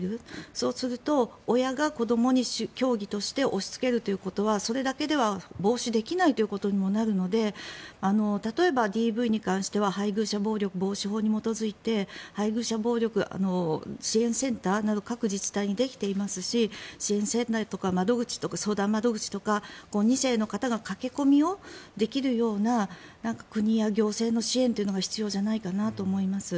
そうすると親が子どもに教義として押しつけるということはそれだけでは防止できないということにもなるので例えば、ＤＶに関しては配偶者暴力防止法に基づいて配偶者暴力支援センターなどが各自治体にできていますし支援センターとか相談窓口とか２世の方が駆け込みできるような国や行政の支援というのが必要じゃないかなと思います。